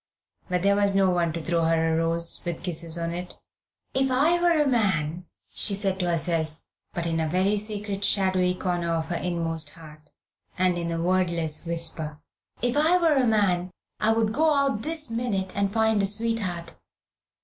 But there was no one to throw her a rose with kisses on it. "If I were a man," she said to herself, but in a very secret shadowy corner of her inmost heart, and in a wordless whisper, "if I were a man, I would go out this minute and find a sweetheart.